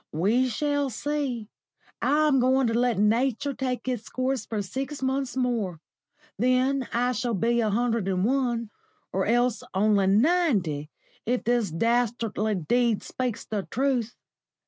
We shall see. I'm going to let Nature take its course for six months more; then I shall be a hundred and one, or else only ninety, if this dastardly Deed speaks the truth.